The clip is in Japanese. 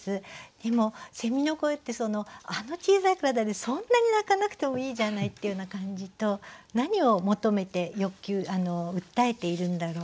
でもの声ってあの小さい体でそんなに鳴かなくてもいいじゃないっていうような感じと何を求めて欲求訴えているんだろう。